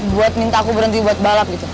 buat minta aku berhenti buat balap gitu